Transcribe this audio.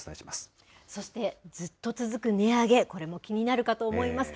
そして、ずっと続く値上げ、これも気になるかと思います。